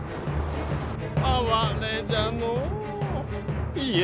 哀れじゃのう家康。